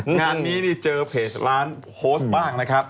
งานนี้เจอเพจล้านโพสต์บ้างนะครับ